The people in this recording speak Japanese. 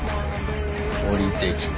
降りてきて。